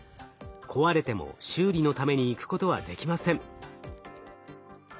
壊れても修理のために行くことはできません。